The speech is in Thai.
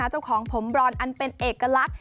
ของผมบรอนอันเป็นเอกลักษณ์